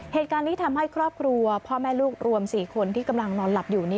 เหตุการณ์นี้ทำให้ครอบครัวพ่อแม่ลูกรวม๔คนที่กำลังนอนหลับอยู่